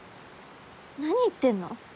何言ってんの？